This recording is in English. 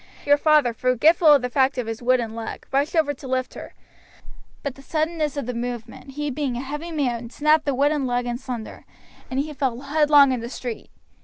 Your father, forgetful of the fact of his wooden leg, rushed over to lift her; but the suddenness of the movement, he being a heavy man, snapped the wooden leg in sunder, and he fell headlong in the street.